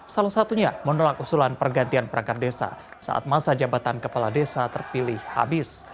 salah satunya menolak usulan pergantian perangkat desa saat masa jabatan kepala desa terpilih habis